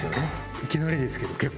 いきなりですけど結構。